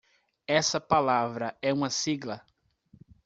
Essa palavra é uma sigla?